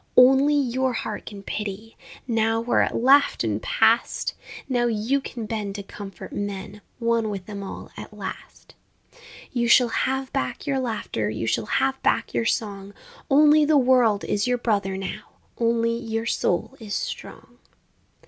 Only your heart can pity Now, where it laughed and passed, Now you can bend to comfort men, One with them all at last, You shall have back your laughter, You shall have back your song, Only the world is your brother now, Only your soul is strong!